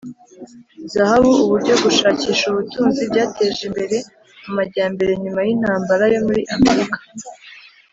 zahabu! uburyo gushakisha ubutunzi byateje imbere amajyambere nyuma yintambara yo muri amerika